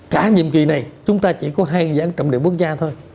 cả nhiệm kỳ này chúng ta chỉ có hai dự án trọng điểm quốc gia thôi